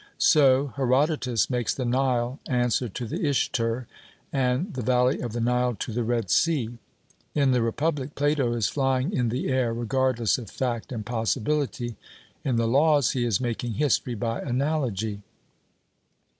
So Herodotus makes the Nile answer to the Ister, and the valley of the Nile to the Red Sea. In the Republic, Plato is flying in the air regardless of fact and possibility in the Laws, he is making history by analogy.